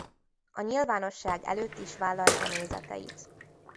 A nyilvánosság előtt is vállalta nézeteit.